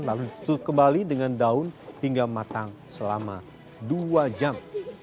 lalu ditutup kembali dengan daun hingga matang selama dua jam